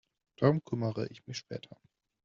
Darum kümmere ich mich später.